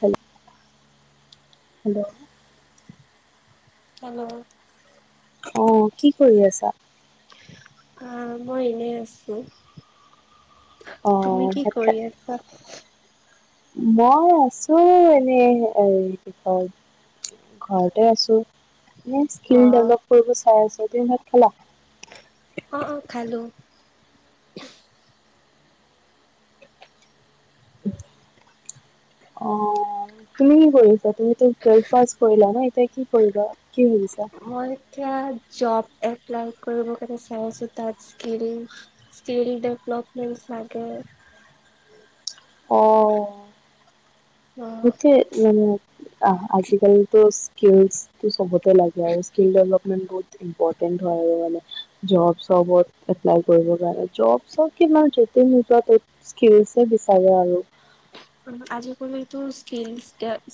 হেল'! Hello! Hello! অঁ কি কৰি আছা? অঁ মই এনে আছো। অ তুমি কি ভাত খা কৰি আছা? [inaudible] মই আছো এনেই এ কি কয় ঘৰতে আছো। ম অ স্কিল ডেভেলপ কৰিব চাই আছো। তুমি ভাত খালো? অ অ খালো [inaudible] অঁ তুমি কি কৰিছা তুমিটো টোৱেলভ পাছ কৰিলা ন, এতিয়া কি কৰিবা? কি ভাবিছা মই এতিয়া জব। এপ্লাই কৰিব কাৰণে চাইছো তাত স্কিল স্কিল ডভলপমেন্ট চাগে উম [unintelligible] অঁ। অ এ মে আহ আজিকালটো। স্কিলটো সবতে লাগে আৰু স্কিল ডেভলপমেন্ট বহুত ইম্পৰটেণ্ট হয় আৰু মানে জব যবত এপ্লাই কৰিব কাৰণে, জব চব, স্ক্ৰিল বিচাৰে আৰু উ [unintelligible] আজিকালতো স্কিল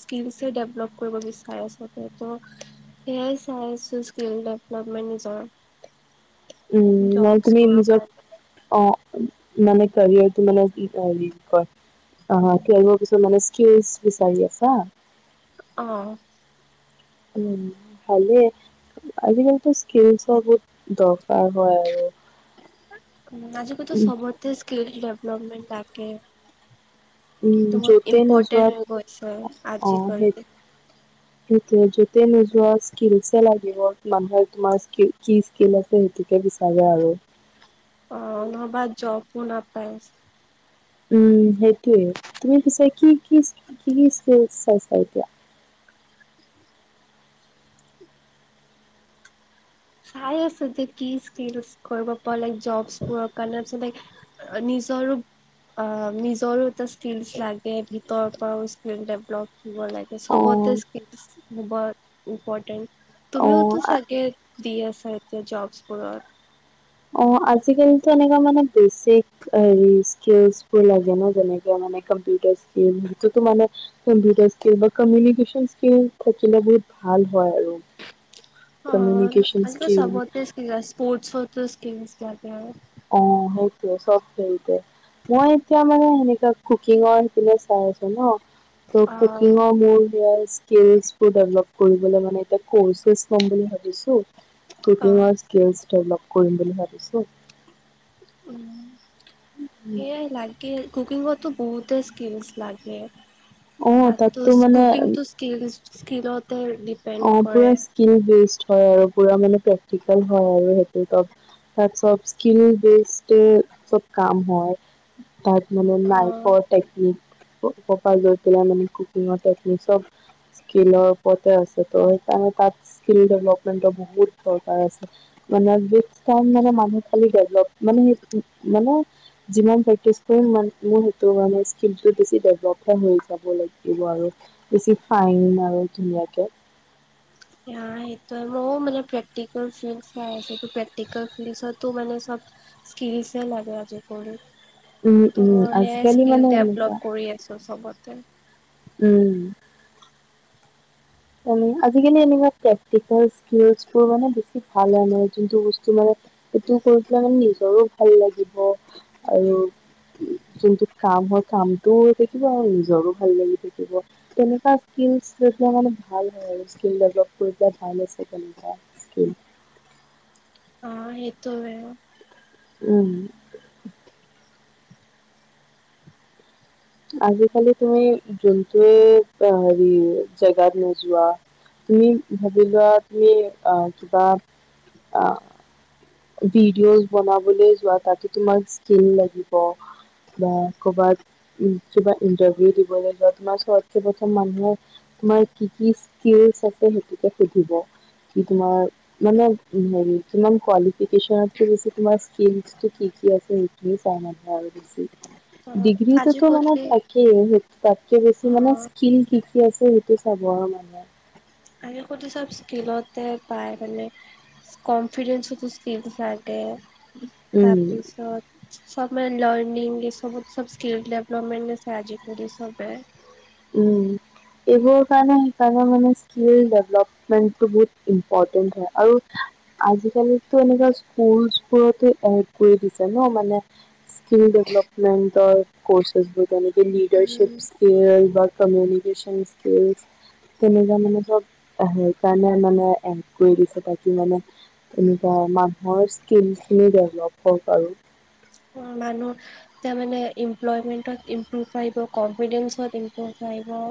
স্কিলছে ডেভলপ কৰিব বিচাৰে আচলতে তো সয়াই চাই আছো স্কিল ডেভলপমেণ্ট নিজৰ উম মই তুমি জবছবোৰৰ নিজক কাৰণে আহঁ মানে কাৰটো মানে কি ক অঁ পিছত মানে বিচাৰি আছা। অঁহ। উম ভালে। আজিকালিতো স্কিল চ বুত দৰকাৰ হয় আৰু উ আজিকেতো উম সবতে স্কিল ডেভলপমেট থাকে। উম টো বত য'তে নোযোৱা ইম্পৰ্টেণ্ট হৈ গৈছে আজিকালি। তুমি যতে নোযোৱা স্ক্ৰীলএ লাগিব মানুহে তোমাৰ কি স্ক্ৰীল আছে সেইটোকে। বিচাৰে আৰু অঁ নহবা জবওঁ নাপাই। উম সেইটোৱে তুমি পিছে কি কি কি কি স্ক্ৰীল চাইছা এতিয়া। উম। চাই আছো যে কি স্কিল কৰিব প লাই জবছবোৰৰ কাৰণে আচলতে ল নিজ ৰূপ। অঁ নিজৰো এটা স্কিলচ লাগে ভিতৰৰ পৰাও স্কিল ডেভলপ ব লাগে চবতে ক্ৰিল ইম্পৰ্টেণ্ট অ অ তুমিতো চাগে দি আছে এতিয়া জব বোৰৰ। অঁ আজিকালিটো এনেকুৱা মানে বেচিক লাগে ন যেনেকে মানে কম্পিউটাৰ স্ক্ৰীল যিতো মানে কম্পিউটাৰ স্কিল বা কমিউনিকেশ্যন স্কিল থাকিলা বহুত ভাল হয় আৰু অঁ কমিউনিকেশ্যন আজাল স্কিল চবতে স্পৰ্টকম ম অঁ সেইটোৱে চব ফেইল কৰে মই এতিয়া মানে সেনেকুৱা কুকিঙৰ সেতি চাই আছো ন। অ', কুকিঙৰ মোৰ স্কিলছ দেভলভ কৰিব মানে এতিয়া কৰ্ছেচ ক'ম বুলি ভাবিছোঁ অ', কুকিঙৰ স্কিলছ্‌ ডেভলপ কৰিম বুলি ভাবিছোঁ৷ উম সেয়াই লাগে৷ কুকিঙতো বহুতে স্কিলছ লাগে অ তাতো তাততো মানে কুকিংতো স্কিল স্কিলত অ পুৰা স্কিন বেচ হয় আৰু পুৰা মানে প্ৰেক্টিকেল হয় আৰু সেইটো তাত চব স্কিল বেস্তে চব কাম হয় তাত মানে অ' নাইফৰ টেক্‌নিক [unintelligible] লৈ পেলাই মানে কুকিঙৰ টেকনিক চব স্কিলৰ ওপৰতে আছে৷ সেইটো তাত স্ স্কিলছ ডপমেন্টৰ বহুত দৰকাৰ আছে মানে [unintelligible] মানুহ খালী দেভেলভ মানে কি মানে যিমান প্ৰেকটিচ কৰিম সিমান খিনি [unintelligible] কিন্তু বেছি ডেভলপহে হৈ যাব লাগিব আৰু বেছি ফাইন আৰু ধুনীয়াকে৷ অ সেইটো মইও মানে প্ৰেকটিকেল ফিল্ড চাই আছো প্ৰেকটিকেল ফিলছতো মানে স্কিলছ লাগে আজি কালি৷ উম, উম, ত' সেয়াই আজিকালি স্কিল মানে এনেকুৱা ডেভলপ কৰি আছো চবতে৷ উম আজিকালি এনেকোৱা টেকনিকেল স্কিলচবোৰ মানে বেছি ভাল হয় যোনটো বস্তু মানে সেইটো কৰি পেলাই মানে নিজৰো ভাল লাগিব আৰু যোনটো কাম হয় কামটো থাকিব আৰু নিজৰো ভাল লাগি থাকিব তেনেকুৱা ফিলছ লৈ পেলাই মানে ভাল হয় আৰু স্কিল লগোৱা পৰা ভাল আছিলে তেনেকুৱা স্কিল অ সেইটোৱেই৷ উম আজিকালি তুমি যোনটোয়েই হেৰি জেগাত নোযোৱা তুমি ভাবি লোৱা তুমি আ কিবা আ ভিডিঅ'জ বনাবলৈ যোৱা তাতে তোমাৰ স্কিল লাগিব৷ বা ক'বাত কিবা ইন্টাৰভিউ দিবলৈ যোৱা তোমাৰ ওচৰত প্ৰথম মানুহ [unintelligible] তোমাৰ কি কি স্কিলচ্‌ আছে সেইটোকে সুধিব৷ কি তোমাৰ মানে হেৰি কিমান কোৱালি চনত [unintelligible] তোমাৰ স্কিল্লচটো কি কি আছে সেইখিনি চাই বেছি৷ ডিগ্ৰীটোতো মানে আজিকালি থাকে তাতকে বেছি মানে অ' স্কিল কি কি আছে সেইটো চাব আৰু মানুহে৷ আ কতো চব স্কিলতে পায় মানে কনফিডেন্সতো স্কিল্ল চাই তে উম তাপিছত ফৰ্মেল লাৰ্ণিং এইচবত চব স্কিল ডেভলপমেন্টছে চাই আজিকালি চবে৷ উম, এইবোৰৰ কাৰণে সেইকাৰণে মানে স্কিল ডেভেলপমেণ্টটো বহুত ইম্পৰ্টেণ্ট হয় আৰু আজিকালিতো স্কুলচ এড কৰি দিছে ন মানে স্কিল ডেভেলপমেণ্টৰ কৰ্চছ বোৰ যেনেক উম লিডাৰশিপ স্কিল বা কম্যউনিকেশ্যন স্কিলছ তেনেকুৱা মানে ধৰক সেইকাৰণে মানে এড কৰি দিছে তাকেমানে এনেকুৱা মানুহৰ স্কিলছখিনি ডেভলপ হওক আৰু৷ মানুহ তামানে ইমপ্লয়মেন্টত ইম্প্ৰুভ আহিব কনফিডেঞ্চত ইম্প্ৰুভ আহিব৷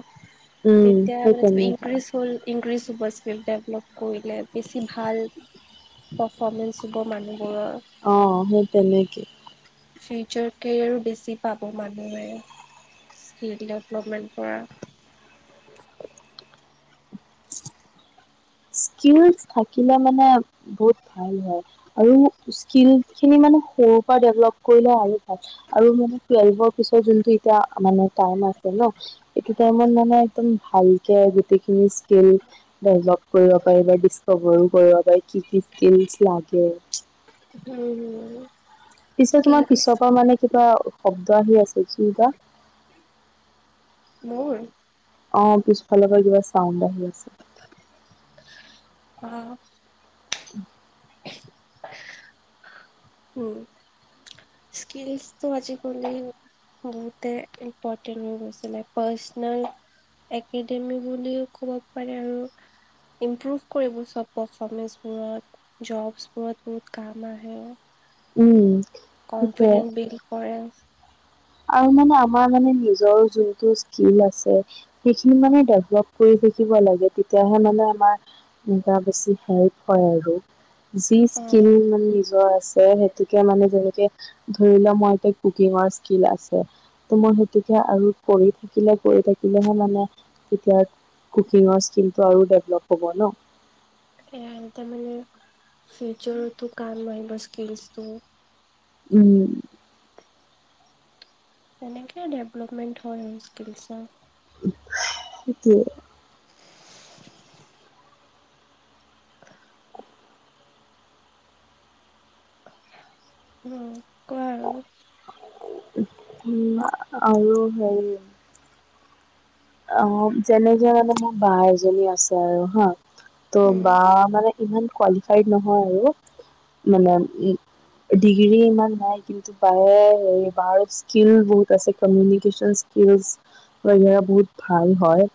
উম তেতিয়া সেই মানে তেনেকা ইনক্ৰিজ হ'ল ইনক্ৰিছ স্কিল ডেভলপ কৰিলে বেছি ভাল পৰফমেঞ্চ দিব মানুহে অ সেই তেনেকে৷ ফিউচাৰ কেৰিয়াৰো বেছি পাব মানুহে৷ স্কিল ডেভলপমেণ্ট কৰা [unintelligible] স্কিলচ থাকিলে মানে বহুত ভাল হয় আৰু স্কিল খিনি মানে সৰু পা ডেভেলপ কৰিলে আৰু ভাল আৰু টোৱেলভ পিছত যোনটো এতিয়া টাইম ন মানে এইটো টাইমত মানে একদম ভালকে গোটেই খিনি স্কিল লৈ ল কৰিব পাৰি বা ডিচকভাৰও কৰিব পাৰি কি কি স্কিলচ লাগে? উম। পিছে তোমাৰ পিছৰ পৰা স্কিলছ মানে কিবা শব্দ আহি আছে কি বা মোৰ? অ পিছফালৰ পৰা কিবা চাউণ্ড আহি আছে। অ। [unintelligible] উম। স্কিলছ তো আজিকালি বহুতে ইম্পৰ্টেণ্ট হৈ গৈছিলে, পাৰ্চনেল একাডেমি বুলিও ক'ব পাৰে আৰু। ইম্প্ৰুভ কৰিব চব পাৰফৰ্মেঞ্চবোৰত। জবছ বোৰত বহুত কাম আহে। উম। সেইটোৱে কনফিডেন্স বিল্ড কৰে। আৰু মানে আমাৰ মানে নিজৰ যোনটো স্কিল আছে, সেইখিনি মানে ডেভলপ কৰি শিকিব লাগে, তেতিয়াহে মানে আমাৰ এনেকোৱা বেছি হেল্প হয় আৰু। যি অ স্কিল মানে নিজৰ আছে সেইতুকে মানে যেনেকে ধৰি লও মই এ কুকিঙৰ আছে ত মই সেইতুকে আৰু কৰি থাকিলে কৰি থাকিলেহে মানে তেতিয়া কুকিঙৰ স্কিলটো আৰু ডেভেলপ হ'ব ন। এ ত মানে ফিউচাৰটো কাম আহিব স্কিলছটো। উম। তেনেকে ডেভলপমেন্ট হয় আৰু স্কিলচৰ। সেইটোয়ে। [inaudible] অ কোৱা আৰু? আৰু হেৰি অ যেনেকে মানে মোৰ বা এজনী আছে আৰু হা ত' উম বা মানে ইমান কোৱালিফাইড নহয় আৰু মানে ডিগ্ৰী ইমান নাই কিন্তু বায়ে বাৰত স্কিল বহুত আছে কমিউনিকেশন ইচকিল বে বহুত ভাল হয়।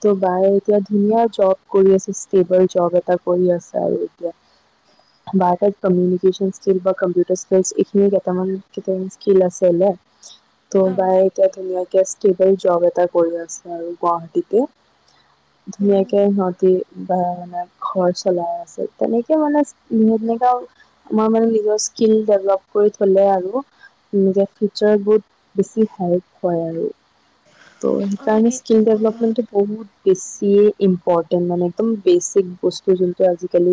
ত' বায়ে এতিয়া ধুনীয়া জব কৰি আছে ষ্টেবল জব এটা কৰি আছে আৰু। বা কত কম্যুনিকেশ্যন স্কিল বা কম্পিউটাৰৰ স্কিল ইফিন কেইটা মান কিতি স্কিল আছে ত অ বা এতিয়া ধুনীয়াকে ষ্টেবল জব এটা কৰি আছে। আৰু গুৱাহাটীতো, উম ধুনীয়াকে সিহতি বা মানে ঘৰ চলাই আছে তেনেকে মানে তেনেকােও আমাৰ মানে নিজ স্কিল ডেভেলপ কৰি থলে আৰু এনেকে ফিউচাৰবোৰত বেছি হেল্প হয় আৰু। ত' অ সেইকাৰণে স্কিল সেইটোতো হয় ডেভেলপমেণ্টটো বহুত বেছিয়ে ইম্পৰ্টে টেণ মানে একদম বেচিক বস্তু যোনটো আজিকালি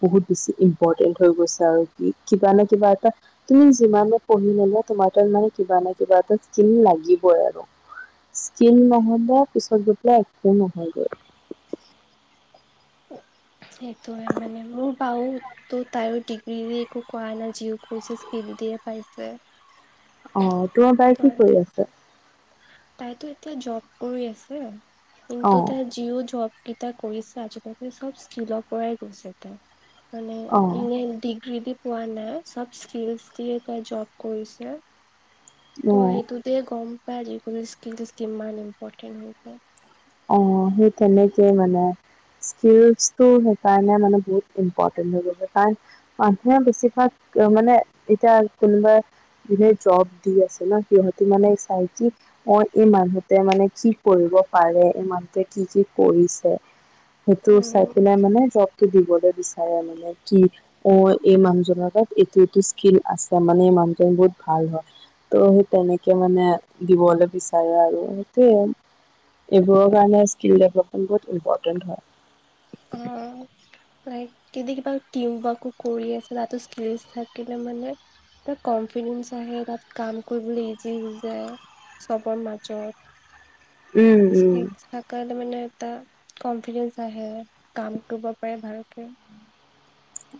বহুত বেছি ইম্পৰ্টেণ্ট হৈ গৈছে আৰু কিবা নহয় কিবা এটা তুমি ই যিমানে পঢ়ি নলও তোমাৰ মানে কিবা নহয় কিবা লাগিবই আৰু। স্কিল নহ'ব পিছত গৈ পেলাই একো নহয়গৈ। সেইটো মানে মোৰ বাও তো তাইও ডিগ্ৰী একো কোৱা না যিক কৈছে স্কিল দিয়ে পাইছে। অ তোমাৰ বাই ত কি কৰি আছে? এতিয়া জব কৰি আছে অ কিন্তু তাৰ জিও জব কেইটা কৰিছে আজিকালি চব স্কিলৰ পৰাই গৈছে ত মানে অ ইনে ডিগ্ৰী দি হোৱা নাই চব স্কিলচ দিয়ে তাই জব কৰিছে। ত অ। সেইটোতে গম পাই যিকোনো স্কিল কিমান ইম্পৰ্টেণ্ট হৈছে। অ সেই তেনেকে মানে স্কিলচটো সেইকাৰণে মানে বহুত ইম্পৰ্টেন্ট হৈ গৈছে কাৰণ মানুহে বেছিভাগ অ মানে এতিয়া কোনোবা জুনে জব দি আছে ন সিহতি মানে চাই কি মই এই মানুহতে মানে কি কৰিব। কৰিব পাৰে এই মানু্হটোয়ে কি কি কৰিছে সেইটো চাই উম, পেলাই মানে জব দিবলৈ বিচাৰে মানে কি অ এই মানুহ জনৰ তাত এইটো এইটো স্কিল আছে মানে তেওঁ বহুত ভাল হয়। ত' সেই তেনেকে মানে দিবলৈ বিচাৰে আৰু সেইটোয়ে এইবোৰৰ কাৰণে স্কিল ডেভেলপমেণ্ট বহুত ইম্পৰটেণ্ট হয় অ যদি কিবা কৰি আছে তাতো স্কিল থাকিলে মানে ক আহে তাত কাম কৰিবলৈ ইজি হৈ যায় চবৰ উম মাজত উম। থে মানে এটা কনফিডেন্স আহে। কাম কৰিব পাৰে ভালকে।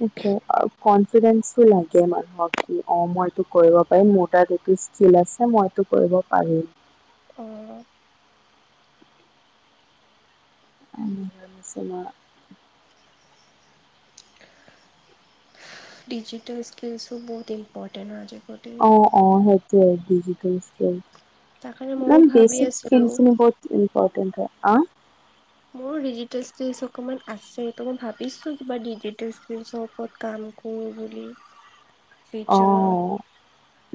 এ [inaudible] কনফিডেঞ্চও লাগে মানুহক কি অ মইটো কৰিব পাৰিম মোৰ তাত এইটো স্কিল আছে মই কৰিব পাৰিম অ আ চলা ডিজিটেল স্কিলচো বহুত ইম্পৰ্টেট আজে অ অ সেইটোৱেই দিজিটেল স্কিল তাৰ কাৰণে ম ময়ো ভাবি বেচিক আছিলো স্কিলছ খিনি বহুত ইম্পৰ্টেণ্ট হয় আ মোৰ ডিজিটেল স্কিলচ অকমান আছে ত মই ভাবিছো কিবা ডিজিটেল স্কিলচৰ ওপৰত কাম কউ বুলি [unintelligible] ফিউচাৰৰ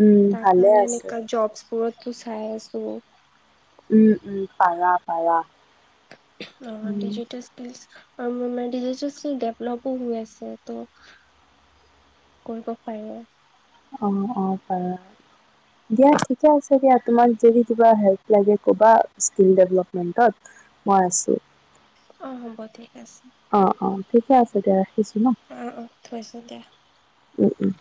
উম তাৰ ভালে কাৰণে আছে। এনেকা জপছ বোৰত টো চাই আছো উম উম পাৰা পাৰা অ উম ডিজিটেল স্কিলছ আৰু মেডিজেচলি ডেভলমেণ্ট হৈ আছে ত' কৰিব পাৰে অঁ অ পাৰে দিয়া ঠিকে আছে দিয়া তোমাৰ যদি কিবা হেল্প লাগে কবা স্কিল ডেভেলপমেণ্টৰ মই আছোঁ অ হ'ব ঠিক আছে অ অ ঠিকে আছে দিয়া ৰাখিছোঁ ন অ অ থৈছো দিয়া উম উম